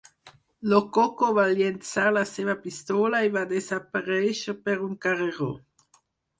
Lococo va llençar la seva pistola i va desaparèixer per un carreró.